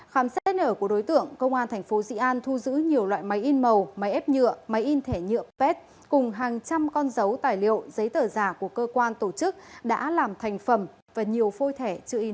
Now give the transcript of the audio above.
khám xét nở của đối tượng công an thành phố dị an thu giữ nhiều loại máy in màu máy ép nhựa máy in thẻ nhựa pet cùng hàng trăm con dấu tài liệu giấy tờ giả của cơ quan tổ chức đã làm thành phẩm và nhiều phôi thẻ chữ in